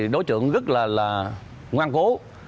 đối trượng rất là ngoan cố